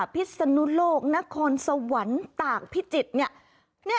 พิสนุโลกนครสวรรค์ตากพิจิตร